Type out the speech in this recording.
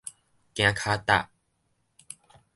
行跤踏